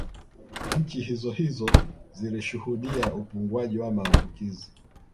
Nchi hizohizo zilishuhudia upunguaji wa maambukizi